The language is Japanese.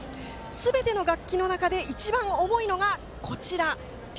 すべての楽器の中で一番重いのがこちらです。